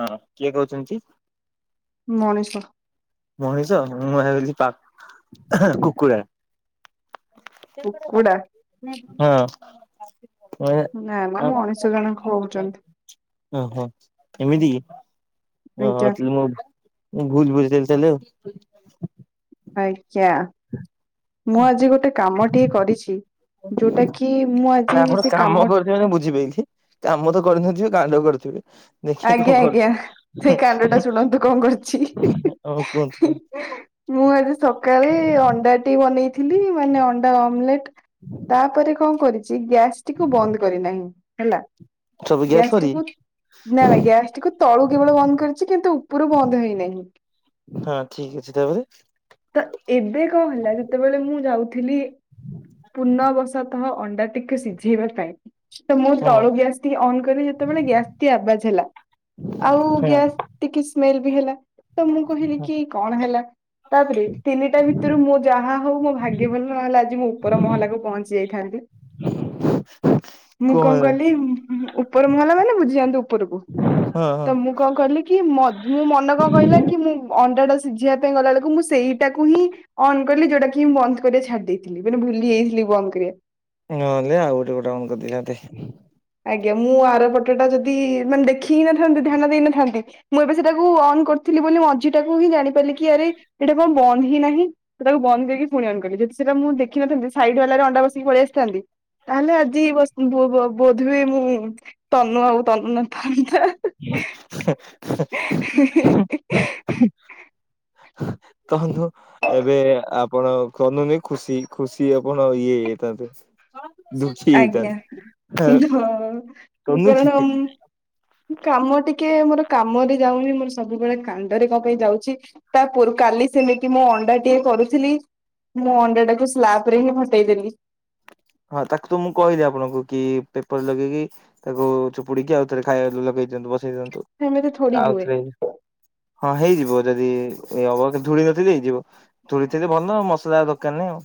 ହଁ କିଏ କହୁଚନ୍ତି? ମଣିଷ। ମଣିଷ ମୁଁ ଭାବିଲି ପା କୁକୁର। କୁକୁଡା ହଁ। ନା ଆ ନା ମଣିଷ [unintelligible] ଜଣକ ହଉଛନ୍ତି ଓହୋ ଏମିତି କି? ଓ ହୋ ଆଜ୍ଞା ତାଲେ ମୁଁ ଭୁଲ ବୁଝିଦେଲି ତାଲେ ଆଉ। ଆଜ୍ଞା ମୁଁ ଆଜି ଗୋଟେ କାମଟିିଏ କରିଛି ଯୋଉଟା କି ମୁଁ ନା ଆଜି ଆପଣ ସେ କାମ କରିଥିବେ ନା ବୁଝିପାଇଲି କାମ ତ କରିନଥିବେ କାଣ୍ଡ କରିଥିବେ। ଆଜ୍ଞା ଆଜ୍ଞା। ସେ କାଣ୍ଡ ଟା ଶୁଣନ୍ତୁ କଣ କରିଛି? ହଁ କୁହନ୍ତୁ କୁହନ୍ତୁ ମୁଁ ଆଜି ସକାଳେ ଅଣ୍ଡାଟି ବନେଇ ଥିଲି ମାନେ ଅଣ୍ଡା ଅମଲେଟ ତାପରେ କଣ କରିଥି ଚି, ଗ୍ୟାସ ଟିକୁ ବନ୍ଦ କରିନାହିଁ ହେଲା। ସବୁ ଗ୍ୟାସ୍ ଗ୍ୟାସ ସରି ଟିକୁ ନା ନା ଗ୍ୟାସ ଟିକୁ ତଳୁ କେବଳ ବନ୍ଦ କରିଛି, କିନ୍ତୁ ଉପରୁ ବନ୍ଦ ହେଇନାହିଁ। ହଁ ଠିକ ଅଛି ତାପରେ। ତ ଏବେ ପୂର୍ଣବଶତଃ ଅଣ୍ଡା ଟିକୁ ସିଝେଇବା ପାଇଁ ତ ମୁଁ ହଁ ହଁ ତଳୁ ଗ୍ୟାସ୍ ଟିକେ ଅନ୍ କଲି ଯେତେବେଳେ, ଗ୍ୟାସ୍ ଟିକେ ଆବାଜ ହେଲା। ଆଉ ହଁ ଗ୍ୟାସ୍ ଟିକେ ସ୍ମେଲ ବି ହେଲା। ତ ମୁଁ କହିଲି କି କଣ ହେଲା? ତାପରେ ତିନିଟା ଭିତରୁ ମୁଁ ଯାହା ହଉ ମୋ ଭାଗ୍ୟ ଭଲ ନହେଲେ ଆଜି ମୁଁ ଉପର ମହଲାକୁୁ ପହଞ୍ଚି ଯାଇ ଥାନ୍ତି। ମୁଁ କଣ କଲି ଉ ଉ ଉପର ମୁହଲା ମାନେ ବୁଝିଯାଆନ୍ତୁ ଉପରକୁ। ହଁ ହଁ ତ ମୁଁ କଣ କଲିକି, ମ ମୁଁ ମନ କଣ କହିଲା କି, ମୁଁ ଅଣ୍ଡା ଟା ସିଝିବା ପାଇଁ ଗଲାବେଳକୁ ମୁଁ ସେଇଟାକୁ ହିଁ ଅନ୍ କଲି, ଯୋଉଟା କିଁ ବନ୍ଦ କରିବା ଛାଡି ଦେଇଥିଲି, ମାନେ ଭୁଲି ଯାଇଥିଲି ବନ୍ଦ କରିବା। ହଁଲେ ଆଉ ଗୋଟେ ଗୋଟେ ଅନ୍ କରିଦେଇଥାନ୍ତେ। ଆଜ୍ଞା ମୁଁ ଆର ପଟଟା ଯଦି ମାନେ ଦେଖି ହିଁ ନଥାନ୍ତି, ଧ୍ୟାନ ଦେଇ ନଥାନ୍ତି ମୁଁ ଏବେ ସେଟାକୁ ଅନ୍ କରି ଥିଲି ବୋଲି, ମଝି ଟାକୁ ହିଁ ଜାଣିପାରିଲି କି ଆରେ ଏଇଟା କଣ ବନ୍ଦ ହି ନାହିଁ। ସେ ତାକୁ ବନ୍ଦ କରି ପୁଣି ଅନ୍ କଲି। ଯଦି ସେଟା ମୁଁ ଦେଖିନଥାନ୍ତି, ସାଇଡ୍ ବାଲାରେ ଅଣ୍ଡା ବସେଇକି ପଳେଇ ଆସିଥାନ୍ତି। ତାହେଲେ ଆଜି ବସ୍ ବୋ ବୋ ବୋଧହୁଏ ମୁଁ ତନୁ ଆଉ ତନୁ ନଥାନ୍ତି। [unintelligible] [inaudible] ତନୁ ଏବେ ଆପଣ କନୁନି ଖୁସି ଖୁସି ଆପଣ ଇଏ ହେଇଥାନ୍ତେ। ଦୁଃଖୀ ଆଜ୍ଞା ହେଇଥାନ୍ତେ। ହଁ [unintelligible] ହଁ ତନୁ କି କାରଣ। କାମ ଟିକେ ମୋର କାମରେ ଯାଉନି, ମୋର ସବୁବେଳେ କାଣ୍ଡରେ କ ପାଇଁ ଯାଉଛି। ତା ପୁର କାଲି ସେମିତି ମୋ ଅଣ୍ଡା ଟିଏ କରୁଥିଲି ମୁଁ ଅଣ୍ଡା ଟାକୁ ସ୍ଲାବ ରେ ହିଁ ଫଟେଇ ଦେଲି। ହଁ ତାକୁ ତ ମୁଁ କହିଲି ଆପଣଙ୍କୁ, କି ପେପର ଲଗେଇକି ତାକୁ ଚୁପୁଡିକି ଆଉ ଥରେ ଖାଇବା ଲଗେଇ ଦିଅନ୍ତୁ ବ ନେଇଦିନ୍ତୁ, ସେମିତି ଥୋଡି ହୁଏ। ଆଉଥରେ ହଁ ହେଇଯିବ। ଥିବ ଯଦି ଏ ଅବ ଧୁଳି ନଥିଲେ ହେଇ ଯିବ। ଧୁଳି ଥିଲେ ଭଲ ମସଲା ଦରକାର ନାହିଁ ଆଉ।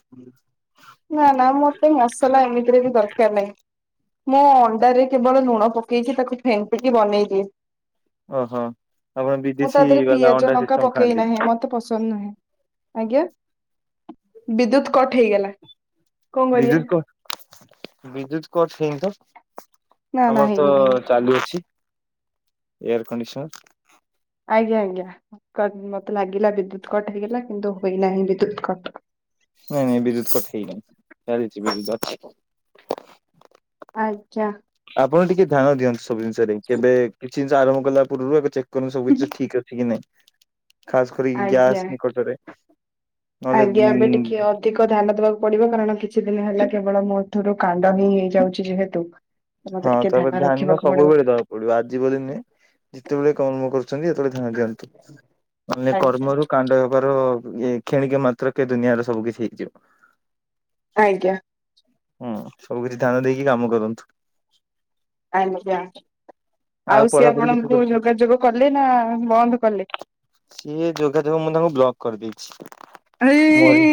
ନା ନା ମତେ ମସଲା ଏମିତିରେ ବି ଦରକାର ନାହିଁ। ମୁଁ ଅଣ୍ଡାରେ କେବଳ ଲୁଣ ପକେଇଛି ତାକୁ ଫେଣ୍ଟିକି ବନେଇଦିଏ। ଓହୋ ଆପଣ ମୁଁ ବିଦେଶୀ ତା ଦେହରେ ବାଲା ପିଆଜ ଅଣ୍ଡା ଲଙ୍କା ସିଷ୍ଟମ ପକେଇ ଖାଆନ୍ତି। ନାହିଁ ମତେ ପସନ୍ଦ ନୁହେଁ। ଆଜ୍ଞା। ବିଦ୍ୟୁତ୍ କଟ୍ ହେଇଗଲା କଣ କରିବା? ବିଦ୍ୟୁତ କଟ ବିଦ୍ୟୁତ କଟ ହେଇନି ତ ନା ନା ଆମର ତ ହେଇନି ହେଇନି ଚାଲୁ ଅଛି ଏୟାର କଣ୍ଡିସନ୍। ଆଜ୍ଞା ଆଜ୍ଞା ମତେ ଲାଗିଲା ବିଦ୍ୟୁତ କଟ୍ ହେଇଗଲା କିନ୍ତୁ ହୋଇନାହିଁ ବିଦ୍ୟୁତ କଟ୍। ନାଇଁ ନାଇଁ ବିଦ୍ୟୁତ କଟ୍ ହେଇନି ଚାଲିଛି ବିଦ୍ୟୁତ ଅଛି। ଆଜ୍ଞା। ଆପଣ ଟିକେ ଧ୍ୟାନ ଦିଅନ୍ତି ସବୁ ଜିନିଷରେ କେବେ କିଛି ଜିନିଷ ଆରମ୍ଭ କଲା ପୂର୍ବରୁ ଏକ ସବୁ କିଛି ଠିକ୍ ଅଛି କି ନାଇଁ। ଖାସ୍ କରି ଆଜ୍ଞା। ଗ୍ୟାସ୍ ନିକଟରେ। ନହେଲେ ଆଜ୍ଞା ଏବେ ଉଁ ଟିକେ ଅଧିକ ଧ୍ୟାନ ଦବାକୁ ପଡିବ କାରଣ କିଛି ଦିନ ହେଲା କେବଳ ମୋ ଠାରୁ କାଣ୍ଡ ହିଁ ହେଇଯାଉଛି ଯେହେତୁ ତ ମତେ ହଁ ଟିକେ ତାପରେ ଧ୍ୟାନ ରଖିବାକୁ ପଡିବ। ସବୁବେଳେ ଦବାକୁ ପଡିବ ଆଜିିବ ଦିନେ ଯେତେବେଳେ କର୍ମ କରୁଛନ୍ତି ଯେତେବେଳେ ହଁ ଦିଅନ୍ତି ମାନେ ଆଜ୍ଞା କର୍ମରୁ କାଣ୍ଡ ହେବାର ଇ କ୍ଷଣିକ ମାତ୍ର କେ ଦୁନିଆର ସବୁ କିଛି ହେଇଯିବ। ଆଜ୍ଞା। ହୁଁ ସବୁ କିଛି ଧ୍ୟାନ ଦେଇକି କାମ କରନ୍ତୁ। ଆଜ୍ଞା। ଆଉ ସିଏ ପଢାପଢି କେତେ ଆପଣଙ୍କୁ କରୁଛନ୍ତି? ଯୋଗାଯୋଗ କଲେ ନା ବନ୍ଦ କଲେ? ସିଏ ଯୋଗାଯୋଗ ମୁଁ ତାଙ୍କୁ ବ୍ଲକ କରିଦେଇଚି। ମୋର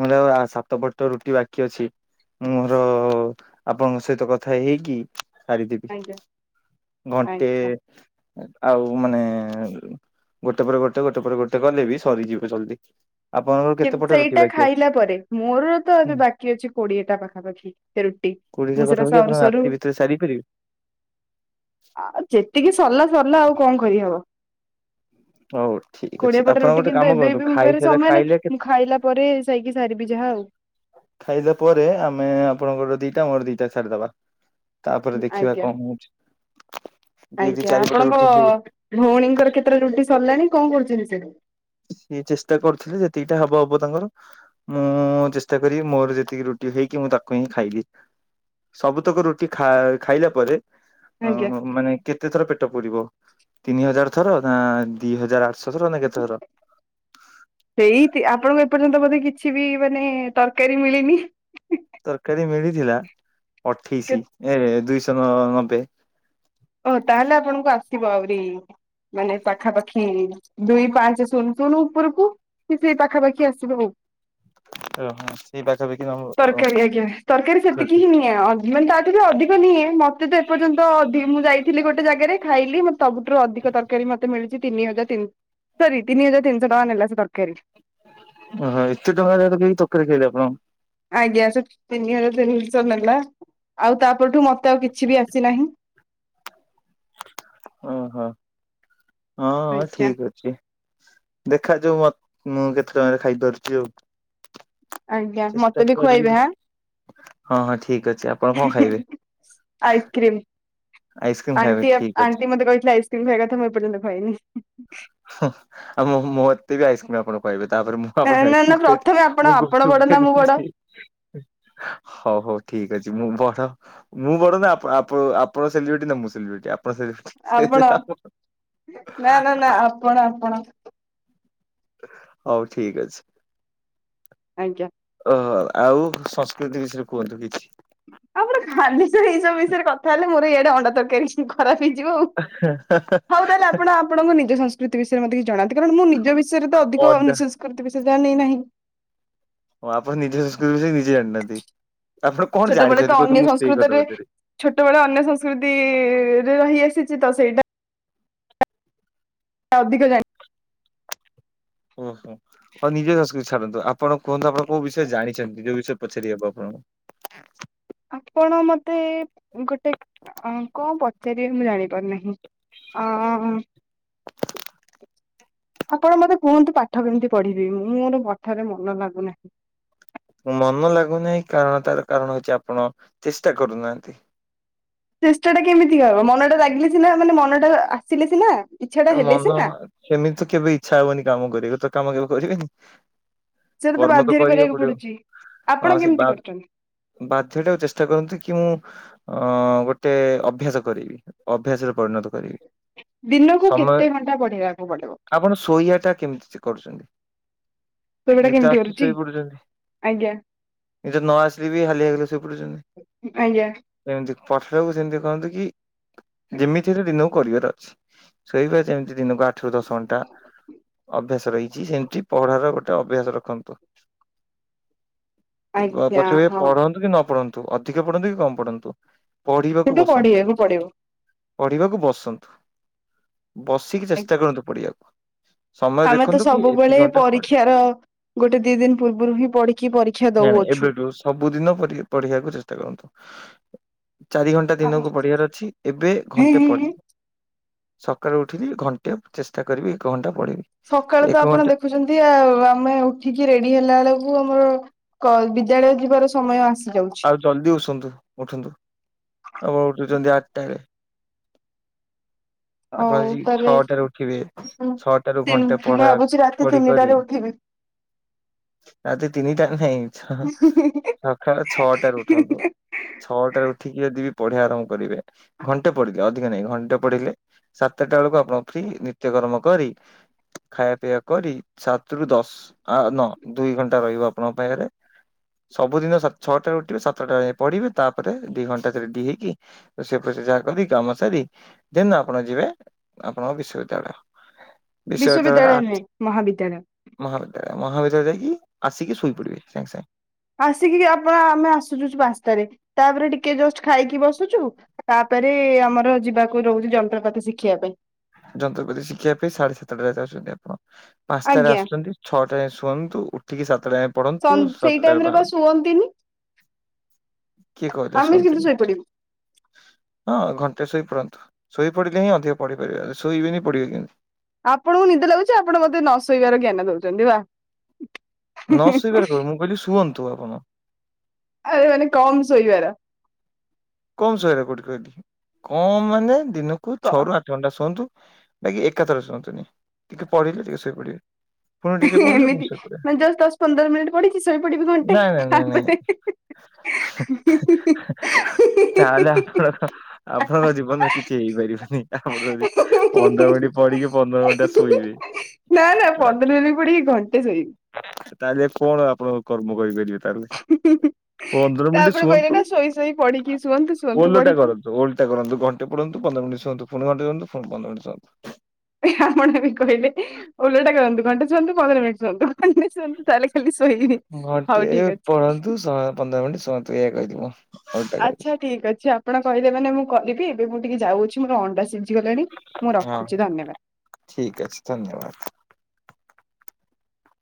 ମୁଁ ତାକୁ ଆଉ ସାତପଟ ରୁଟି ବାକି ଅଛି। ମୋର ଆପଣଙ୍କ ସହିତ କଥା ହେଇକି ସାରିଦେବି ଆଜ୍ଞା ଘଣ୍ଟେ। ଆଜ୍ଞା ଆଉ ମାନେ ଗୋଟେ ପରେ ଗୋଟେ ଗୋଟେ ପରେ ଗୋଟେ ଗଲେ ବି ସରିଯିବେ ଜଲଦି। ସେଇଟା ଖାଇଲା ପରେ ମୋର ତ ହୁଁ ଏବେ ବାକି ଅଛି କ ଦିଟା ପାଖାପାଖି ସେ ରୁଟି କୋଡିଏଟା ମୁ ସେଟା ପାଖାପାଖି ସରୁ ଆପଣ ସରୁ ରାତି ଭିତରେ ସାରି ପାରିବେ ଆଉ ଯେତିକି ସରିଲା ସରିଲା ଆଉ କଣ କରିହବ? ହଉ ଠିକ ଅଛି କୋଡିଏ ପଟ ଆପଣ ରୁଟି ଗୋଟେ କିନ୍ତୁ କାମ ଏବେ କରନ୍ତୁ ବି ମୋ ପାଖରେ ଖାଇସାରିଲା ସମୟ ଖାଇଲେ ନାହିଁ। ମୁଁ ଖାଇଲା ପରେ ଯାଇକି ସାରିବି ଯାହା ଆଉ। ଖାଇଲା ପରେ ଆମେ ଆପଣଙ୍କର ଦିଟା ମୋର ଦିଟା ଛାଡିଦବା। ତାପରେ ଦେଖିବା ଆଜ୍ଞା କଣ ହଉଚି ଆଜ୍ଞା ଆପଣଙ୍କ ହେଇ ଭଉଣୀଙ୍କର କେତେଟା ରୁଟି ସରିଲାଣି? କଣ କରୁଛନ୍ତି ସେଠୁ? ସିଏ ଚେଷ୍ଟା କରୁଥିଲେ ଯେତିକିଟା ହବ ହବ ତାଙ୍କର ମୁଁ ଚେଷ୍ଟା କରିବି ମୋର ଯେତିକି ରୁ ଟି ହେଇକି ମୁଁ ତାକୁ ହିଁ ଖାଇଲି ସବୁତକ ରୁଟି ଖା ଖାଇଲା ପରେ। ଆଜ୍ଞା ଅ ମାନେ କେତେଥର ପେ ପଡିବ ତିନି ହଜାର ଥର ନା ଦି ହଜାର ଆଠଶହ ଥର ନା କେତେ ଥର? ସେଇ ଆପଣଙ୍କୁ ଏପର୍ଯ୍ୟନ୍ତ ବୋଧେ କିଛି ବି ମାନେ ତରକାରୀ ମିଳିନି। ତରକାରୀ ମିଳିଥିଲା ଅଠେଇଶି ଏ ଦୁଇଶହ ନ ନବେ। ଓ ତାହେଲେ ଆପଣଙ୍କୁ ଆସିବ ଆହୁରି। ମାନେ ପାଖାପାଖି ଦୁଇ ପାଞ୍ଚ ଶୂନ ଶୂନ ଉପରକୁ କି ସେ ପାଖାପାଖି ଆସିବ। ଓହ ସେଇ ପାଖାପାଖି। [inaudible] ତରକାରୀ ଆଜ୍ଞା ତରକାରୀ ସେତିକି ହିଁ ନିଏ ମାନେ ତାଠୁ ବି ଅଧିକ ନିଏ ମତେ ତ ଏପର୍ଯ୍ୟନ୍ତ ମୁଁ ଯାଇଥିଲି ଗୋଟେ ଜାଗାରେ ଖାଇଲି ମତେ ସବୁଠୁରୁ ଅଧିକ ତରକାରୀ ମତେ ମିଳିଛି। ତିନି ହଜାର ତିନ ସରି ତିନି ହଜାର ତିନିହ ଟଙ୍କା ନେଲା ସେ ତରକାରୀ। ଓହୋ ଏତେ ଟଙ୍କା [inaudible] ତରକାରି ଖାଇଲେ ଆପଣ? ଆଜ୍ଞା ସେ ତିନିହଜାର ତିନିଶହ ନେଲା। ଆଉ ତାପରଠୁ ମତେ ଆଉ କିଛି ବି ଆସିନାହିଁ। ଓହୋ ହଁ ଆଜ୍ଞା ଠିକ ଅଛି ଦେଖାଯାଉ ଅ ମୁଁ କେତେ ଟଙ୍କାରେ ଖାଇପାରୁଛି ଆଉ। ଆଜ୍ଞା ଚେଷ୍ଟା ମତେ ବି କରିବି ଯେ ଖୁଆଇବେ ଆଁ। ହଁ ହଁ ଠିକ ଅ [inaudible] ଆଇସ୍କ୍ରିମ୍। ଆଇସ୍କ୍ରିମ ଖାଇବେ ଆଣ୍ଟି ଆପ୍ ଠିକ ଅଛି। ଆଣ୍ଟି ମତେ କହିଥିଲେ ଆଇସ୍କ୍ରିମ୍ ଖାଇବା କଥା ମୁଁ ଏପର୍ଯ୍ୟନ୍ତ ଖୁଆଇନି। ହଁ ଆ ମତେ ବି ଆଇସ୍କ୍ରିମ୍ ଆପଣ ଖୁଆଇବେ। ତାପରେ ମୁଁ ନା ଆପଣଙ୍କୁ ନା ଆଇସ୍କ୍ରିମ୍ ନା ଖୁଏଇବି ପ୍ରଥମେ ମୁଁ ଆପଣ ଗୁପ୍ ଆପଣ ଚୁପ୍ ବଡ ନା ମୁଁ ଖୁଆଇଦେବି ବଡ ହଉ ହଉ ଠି ଠିକ୍ ଅଛି ମୁଁ ବଡ ମୁଁ ବଡ ନା ଆପଣ ଆପ ଆପଣ ସେଲିବ୍ରେଟି ନା ମୁଁ ସେଲିବ୍ରିଟି ଆପ ଆପଣ ନା ନା ନା ଆପଣ ଆପଣ। ହଉ ଠିକ ଅଛି। ଆଜ୍ଞା। ତ ଆଉ ସଂସ୍କୃତି ବିଷୟରେ କୁହନ୍ତୁ କିଛି ଆପଣ ଖାଲି ସେଇ ସବୁ ବିଷୟରେ କଥା ହେଲେ ମୋର ଏଇଆଡେ ଅଣ୍ଡା ତରକାରୀ ଖରାପ ହେଇଯିବ ହଉ ତାହେଲେ ଆପଣ ଆପଣଙ୍କ ନିଜ ସଂସ୍କୃ ସ୍କୃତି ବିଷୟରେ ମତେ କିଏ ଜାଣନ୍ତୁ କାରଣ ମୁଁ ନିଜ ବିଷୟରେ ତ ଅଣ୍ଡା ଅଧିକବିଶେଷ କରିତ ବିଶେଷ ଜାଣି ନାହିଁ। ହଁ ଆପଣ ନିଜ ସଂସ୍କୃତି ବିଷୟରେ ନିଜେ ଜାଣିନାହାନ୍ତି ଆପଣ କଣ ଜାଣିଛନ୍ତି କୁହନ୍ତୁ ମୁଁ ସେଇ କଥା ପଚାରିବି। ଛୋଟବେଳୁ ଅନ୍ୟ ସଂସ୍କୃତିରେ ରହିଆସିଛି ତ ସେଇଟା। ଅଧିକ ଜାଣି ଓହୋ ଆଉ ନିଜ ସଂସ୍କୃତି ଛାଡ଼ନ୍ତୁ ଆପଣ କୁହନ୍ତୁ ଆପଣ କୋଉ ବିଷୟରେ ଜାଣିଛନ୍ତି ଯୋଉ ବିଷୟରେ ପଚାରି ହେବ ଆପଣଙ୍କୁ ଆପଣ ମତେ ଗୋଟେ କଣ ପଚାରିବେ ମୁଁ ଜାଣିପାରୁନାହିଁ। ଅଁ [inaudible] ଆପଣ ମତେ କୁହନ୍ତୁ ପାଠ କେମିତି ପଢିବେ ମୁଁ ମୋର ପାଠରେ ମନ ଲାଗୁନାହିଁ। ମନ ଲାଗୁନାହିଁ କାରଣ ତାର କାରଣ ହଉଛି ଆପଣ ଚେଷ୍ଟା କରୁନାହାନ୍ତି। ଚେଷ୍ଟା ଟା କେମିତି ହବ ମନ ଟା ଲାଗିଲେ ସିନା ମାନେ ମନ ଟା ଆସିଲେ ସିନା। ଇଚ୍ଛା ଟା ହେଲେ ମନ ସିନା ସେମିତି ତ କେବେ ଇଚ୍ଛା ହବନି କାମ କରିବ ତ କାମ କେବେ କରିବେନି। ସେଟା କର୍ମ ତ ବାଧ୍ୟରେ କରିବାକୁ ପଡିବ। ପଡୁଛି ଆପଣ ହଁ ସେ କେମିତି ବା କରୁଛନ୍ତି ବାଧ୍ୟ ଟାକୁ ଚେଷ୍ଟା କରନ୍ତୁ କି ମୁଁ ଅ ଗୋଟେ ଅଭ୍ୟାସ କରିବି ଅଭ୍ୟାସରେ ପରିଣତ କରିବି। ଦିନକୁ ସମୟ କେତେ ଘଣ୍ଟା ପଢିବାକୁ ପଡିବ। [inaudible] ଆପଣ ଶୋଇବାଟା କେମିତି କରୁଛନ୍ତି ସେଗୁଡା ନିଦ କେମିତି ଆସୁଛି କରୁଛି ଶୋଇ ପଡୁଛନ୍ତି। ଆଜ୍ଞା ନିଦ ନ ଆସିଲେ ବି ହାଲିଆ ହେଇଗଲେ ଶୋଇ ଆଜ୍ଞା ପଡୁଛନ୍ତି [inaudible] ଏମିତି। ପଢ଼ିବାକୁ ସେମିତି କହନ୍ତୁ କି ଯେମିତିରେ ଦିନକୁ କରିବାର ଅଛି। ଶୋଇବା ଯେମିତି ଦିନକୁ ଆଠ ରୁ ଦଶ ଘଣ୍ଟା। ଅଭ୍ୟାସ ରହିଛି ସେମିତି ପଢ଼ାର ଗୋଟେ ଅଭ୍ୟାସ ରଖନ୍ତୁ। ଆଜ୍ଞା ପଛରେ ହଉ ପଢନ୍ତୁ କି ନ ପଢନ୍ତୁ ଅଧିକ ପଢନ୍ତୁ କି କମ୍ ପଢନ୍ତୁ ପଢିବାକୁ କିନ୍ତୁ ବସନ୍ତୁ ପଢିବାକୁ ପଡିବ ପଢିବାକୁ ବସନ୍ତୁ। ବସିକି ଆଜ୍ଞା। ଚେଷ୍ଟା କରନ୍ତୁ ପଢ଼ିଆକୁ ଆମେ ତ ସବୁବେଳେ ପଢେ ପରୀକ୍ଷାର ଗୋଟେ ଦି ଦିନ ପୂର୍ବରୁ ହିଁ ପଢିକି ପରୀକ୍ଷା ଦଉ। ନାଇ ନାଇଁ ଏବେଠୁ ସବୁ ଦିନ ପରି ପଢିବାକୁ ଚେଷ୍ଟା କରନ୍ତୁ। ଚାରି ଘଣ୍ଟା ଦିନକୁ ପଢିବାର ଅଛି ଏବେ ହେଁ ଘଣ୍ଟେ ହେଁ ପଢ ହେଁ - - ସକାଳୁ ଉଠିଲି ଘଣ୍ଟେ ଚେଷ୍ଟା କରିବି ଏକ ଘଣ୍ଟା ପଢିବି। ସକାଳ ତ ଏକ ଆପଣ ଘଣ୍ଟା ଦେଖୁଛନ୍ତି ଆ ଆମେ ଉଠିକି ରେଡି ହେଲା ବେଳକୁ ଆମର କ ବିଦ୍ୟାଳୟ ଯିବାର ସମୟ ଆସେ। ଆଉ ଜଲଦି ଉସନ୍ତୁ ଉଠନ୍ତୁ ଆପଣ ଉଠୁଛନ୍ତି ଆଠଟାରେ। ଆପଣ ହଉ ଆଜି ତାହେଲେ ଛଅଟାରେ ଉଠିବେ ମୁଁ ଛଅଟାରୁ ତି ଘଣ୍ଟେ ପଢା ଭାବୁଛି ରାତି ପଢି କରି ତିନିଟାରେ ଉଠିବି। ରାତି ତିନିଟାରେ ନାହିଁ ଛ ସକାଳ ଛଅ ଛଅଟାରେ ଉଠନ୍ତୁ ଛଅଟାରେ ଉଠିକି ଯଦି ପ ପଢିବା ଆରମ୍ଭ କରିବେ ଘଣ୍ଟେ ପଢିଲେ ଅଧିକ ନାଇଁ ଘଣ୍ଟେ ପଢିଲେ ସାତଟା ବେଳକୁ ଆପଣ ଫ୍ରୀ ନିତ୍ୟ - - ନିତ୍ୟକର୍ମ କରି ଖାଇବା ପିଇବା କରି, ସାତରୁ ଦଶ ନ ଦୁଇ ଘଣ୍ଟା ରହିବ ଆପଣଙ୍କ ପାଖରେ ସବୁଦିନ ସ ଛଅଟାରେ ଉଠିବେ, ସାତଟା ଯାଇ ପଢିବେ, ତାପରେ ଦି ଘଣ୍ଟା, ରେଡି ହେଇକି, ରୋଷଇ ଫସେଇ ଯାହା କରିଦେଇକି, କାମ ସାରିକି ଦେନ୍ ଆପଣ ଯିବେ ଆପଣଙ୍କ ବିଶ୍ୱବିଦ୍ୟାଳୟ। ବିଶ୍ୱବିଦ୍ୟାଳୟ ନୁହେଁ ମହାବିଦ୍ୟାଳୟ। ମହାବିଦ୍ୟାଳୟ ମହାବିଦ୍ୟାଳୟ ଯାଇକି, ଆସିକି ଶୋଇ ପଡିବେ ସାଙ୍ଗେ ସାଙ୍ଗେ। ଆସିକି ଆପଣ ଆମେ ଆସୁଚୁ ପାଞ୍ଚଟାରେ, ତାପରେ ଟିକେ ଜଷ୍ଟ ଖାଇକି ବସୁଛୁ ତା ପରେ ଆମର ଯିବାକୁ ରହୁଛି, ଯନ୍ତ୍ରପାତି ଶିଖିବା ପାଇଁ। ଯନ୍ତ୍ରପାତି ଶିଖିବା ପାଇଁ, ସାଢେ ସାତଟା ଯାଇ ଯାଉଛନ୍ତି ଆପଣ? ପାଞ୍ଚଟାରେ ଆଜ୍ଞା ଆସୁଛନ୍ତି, ଛଅଟା ରେ ଶୁଅନ୍ତୁ, ଉଠିକି ସାତଟା ଯାଇ ପଢନ୍ତୁ, ସାତଟାରେ ବାହାରନ୍ତୁ। କିନି କିଏ କହିଲା ଶୁଅନ୍ତିନି? ଶୋଇପଡିବୁ ହଁ ଘଣ୍ଟାଟେ ଶୋଇ ପଡ଼ନ୍ତୁ, ଶୋଇ ପଡ଼ିଲେ ହିଁ ଅଧିକ ପଢିପାରିବେ, ଶୋଇବେନି ପଢିବେ କେମିତି? ଆପଣଙ୍କୁ ନିଦ ଲାଗୁଛି, ଆପଣ ମତେ ନ ଶୋଇବାର ଜ୍ଞାନ ଦଉଛନ୍ତି ବା। ନ ଶୋଇବାର ଆରେ କହିଲି କି, ମୁଁ କହିଲି ଶୁଅନ୍ତୁ ଆପଣ। କମ୍ ଶୋଇବାର। କମ ଶୋଇବାର କୋଉଠି କହିଲି, କମ ମାନେ ଦିନକୁ ଛଅ କଣ ରୁ ଆଠ ଘଣ୍ଟା ଶୁଅନ୍ତୁ। ନାହିଁ ଏକାଥର ଶୁଅନ୍ତୁନି, ଟିକେ ପଢିଲେ ଟିକେ ଶୋଇପଡିବେ। ପୁଣି ଟିକେ ହେଁ ପଢିଲେ ପୁଣି ଏମିତି ଶୋଇପଡିବେ ମାନେ ଜଷ୍ଟ ଦଶ ପନ୍ଦର ମିନିଟ୍ ପଡିଛି, ଶୋଇ ପଡିବି ଘଣ୍ଟେ ତାପରେ ହେଁ ହେଁ ହେଁ ହେଁ ହେଁ। ତାହେଲେ ଆପଣ ଆପଣଙ୍କ ଜୀବନରୁ କିଛି ହେଇପାରିବନି, ଆପଣ ଯଦି ପନ୍ଦର ମିନିଟ ପଢ଼ି ପଢିକି ପନ୍ଦର ଘଣ୍ଟା ଶୋଇବେ। ନା ନା ପନ୍ଦର ମିନିଟ ପଡିକି ଘଣ୍ଟ ତାହେଲେ କଣ ଆପଣଙ୍କ କର୍ମ କରିପାରିବେ? ତାହେଲେ ହେ ହେ ହେ। ପନ୍ଦର ମିନିଟ ଶୁଅନ୍ତୁ, ପଢିକି ଶୁଅନ୍ତୁ ଶୁଅନ୍ତୁ ଓଲଟା ପଢିକି କରନ୍ତୁ, ଓଲଟା କରନ୍ତୁ ଘଣ୍ଟେ ପଢନ୍ତୁ ପନ୍ଦର ପନ୍ଦର ମିନିଟ ଶୁଅନ୍ତୁ ପୁଣି ଘଣ୍ଟେ [unintelligible] ପୁଣି ପନ୍ଦର ମିନିଟ ଶୁଅନ୍ତୁ। ଆପଣ ବି କହିଲେ ଓଲଟା କରନ୍ତୁ, ଘଣ୍ଟା ଶୁଅନ୍ତୁ, ପନ୍ଦର ମିନିଟ୍ ଶୁଅନ୍ତୁ, ଶୁଅନ୍ତୁ ତାହଲେ ଘଣ୍ଟେ ପଢନ୍ତୁ, ଶହ ପନ୍ଦର ମିନିଟ ଶୁଅନ୍ତୁ ଏହା କହିଲି ମୁଁ। ଓଲଟା କହିଲି ଆଚ୍ଛା ଠିକ ଅଛି, ଆପଣ କହିଲେ ମାନେ ମୁଁ କରିବି, ଏବେ ମୁଁ ଟିକେ ଯାଉଛି ମୋର ଅଣ୍ଡା ସି ଜି ଗଲାଣି ମୁଁ ହଁ। ରଖୁଛି ଧନ୍ୟବାଦ। ଠିକ୍ ଅଛି ଧନ୍ୟବାଦ।